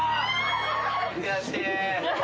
悔しい。